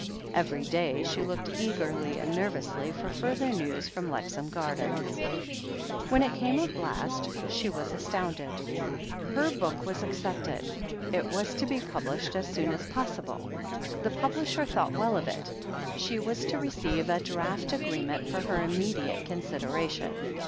Every day she looked eagerly and nervously for further news from Lexham Gardens. When it came at last she was astounded. Her book was accepted — ^it was to be published as 234 THE HEEL OF ACHILLES soon as possible — ^the publisher thought well of it — she was to receive a draft agreement for her immediate consideration.